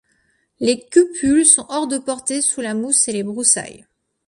Les cupules sont hors de portée sous la mousse et les broussailles.